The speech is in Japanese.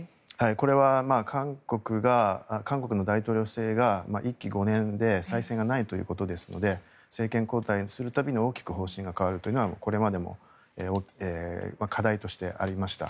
これは韓国の大統領制が１期５年で再選がないということですので政権交代する度に大きく方針が変わるのはこれまでも課題としてありました。